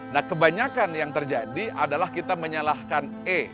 nah kebanyakan yang terjadi adalah kita menyalahkan e